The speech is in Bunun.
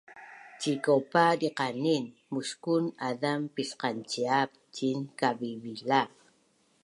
Cikaupa diqanin muskun azam pisqanciap ciin kavivila